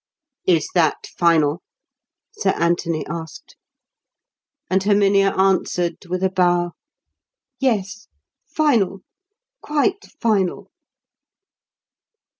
"Is that final?" Sir Anthony asked. And Herminia answered with a bow, "Yes, final; quite final."